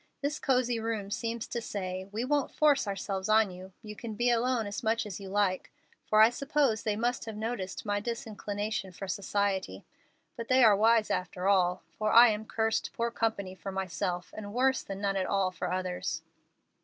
This cosey room seems to say, 'We won't force ourselves on you. You can be alone as much as you like,' for I suppose they must have noticed my disinclination for society. But they are wise after all, for I am cursed poor company for myself and worse than none at all for others."